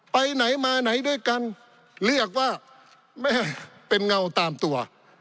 ไปไหนมาไหนด้วยกันเรียกว่าแม่เป็นเงาตามตัว